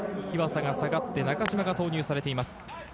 日和佐が下がって中嶋が投入されています。